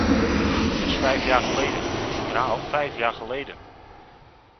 Dat was vijf jaar geleden, ik herhaal vijf jaar geleden.